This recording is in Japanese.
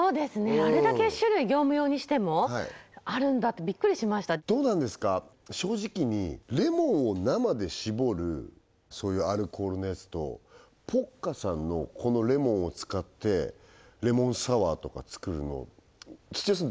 あれだけ種類業務用にしてもあるんだってびっくりしましたどうなんですか正直にレモンを生でしぼるアルコールのやつとポッカさんのこのレモンを使ってレモンサワーとか作るの土屋さん